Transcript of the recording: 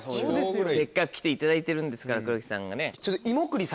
せっかく来ていただいてる黒木さんがね。